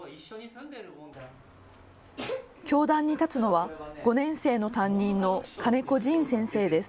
教壇に立つのは５年生の担任の金子甚武先生です。